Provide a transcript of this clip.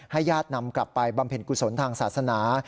ญาตินำกลับไปบำเพ็ญกุศลทางศาสนา